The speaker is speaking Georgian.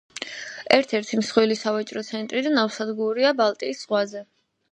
ერთ-ერთი მსხვილი სავაჭრო ცენტრი და ნავსადგურია ბალტიის ზღვაზე.